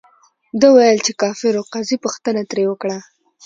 ده ویل، چې کافر ؤ. قاضي پوښتنه ترې وکړه،